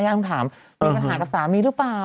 คำถามมีปัญหากับสามีหรือเปล่า